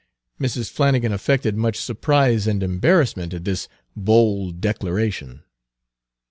Mrs. Flannigan affected much surprise and embarrassment at this bold declaration.